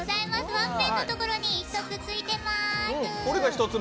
ワッペンのところに１つ、ついてます。